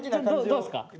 どうですか？